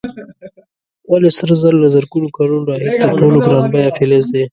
ولې سره زر له زرګونو کلونو راهیسې تر ټولو ګران بیه فلز دی؟